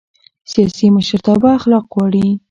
سیاسي مشرتابه اخلاق غواړي